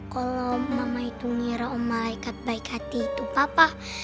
kalau mama itu niara om malaikat baik hati itu papa